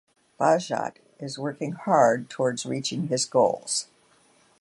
Bahjat is working hard towards reaching his goals.